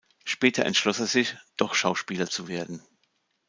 Später entschloss er sich, doch Schauspieler zu werden.